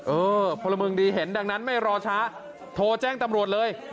เออพลเมืองดีเห็นดังนั้นไม่รอช้าโทรแจ้งตำรวจเลย